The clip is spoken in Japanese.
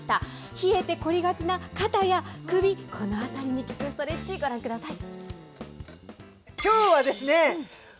冷えて凝りがちな肩や首、この辺りに効くストレッチ、ご覧ください。